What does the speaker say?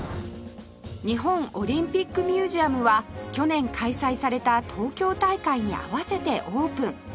日本オリンピックミュージアムは去年開催された東京大会に合わせてオープン